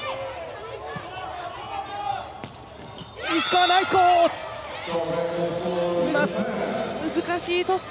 石川、ナイスコース！